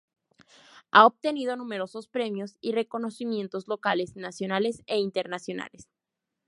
Ha obtenido numerosos premios y reconocimientos locales, nacionales e internacionales.